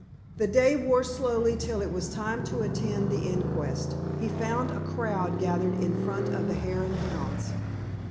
The day wore slowly till it was time to attend the inquest. He found a crowd gathered in front of the Hare and Hounds.